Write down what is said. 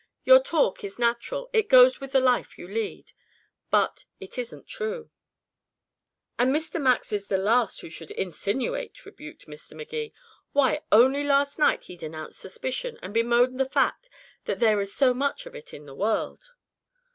"Your talk is natural it goes with the life you lead. But it isn't true." "And Mr. Max is the last who should insinuate," rebuked Mr. Magee. "Why, only last night he denounced suspicion, and bemoaned the fact that there is so much of it in the world."